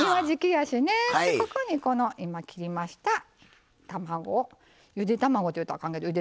ここにこの今切りました卵をゆで卵と言うとあかんけどゆで卵に見えますね。